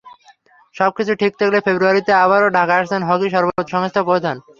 সবকিছু ঠিক থাকলে ফেব্রুয়ারিতে আবারও ঢাকায় আসছেন হকির সর্বোচ্চ সংস্থার প্রধান।